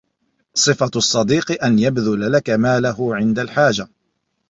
صِفَةُ الصَّدِيقِ أَنْ يَبْذُلَ لَك مَالَهُ عِنْدَ الْحَاجَةِ